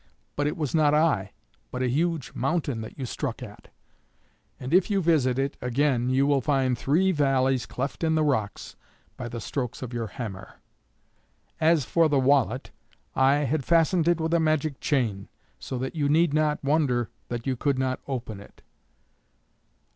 But it was not I, but a huge mountain that you struck at; and if you visit it again, you will find three valleys cleft in the rocks by the strokes of your hammer. "As for the wallet, I had fastened it with a magic chain, so that you need not wonder that you could not open it.